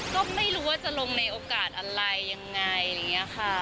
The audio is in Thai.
ก็ไม่รู้ว่าจะลงในโอกาสอะไรยังไงอะไรอย่างนี้ค่ะ